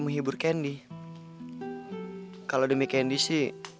menghibur candy kalau demi candice mungkin aja tapi dari yang aku lihat